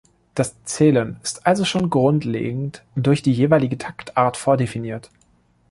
Das Zählen ist also schon grundlegend durch die jeweilige Taktart vordefiniert.